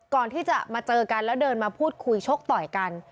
ก่อนที่จะมาเจอกันแล้วเดินมาพูดคุยชกต่อยกัน